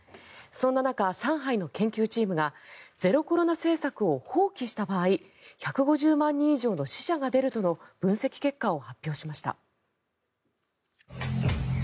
そんな中、上海の研究チームがゼロコロナ政策を放棄した場合１５０万人以上の死者が出るとの分析結果を発表しました。